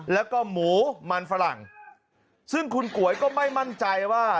แล้วก็หมูมันฝรั่งซึ่งคุณก๋วยก็ไม่มั่นใจว่า